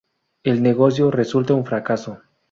El negocio resulta un fracaso.